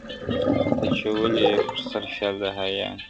اچولی یې پر سر شال د حیا دی،